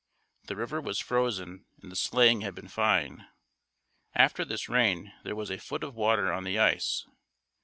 The river was frozen and the sleighing had been fine. After this rain there was a foot of water on the ice.